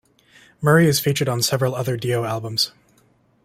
Murray is featured on several other Dio albums.